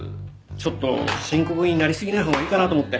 ちょっと深刻になり過ぎない方がいいかなと思って。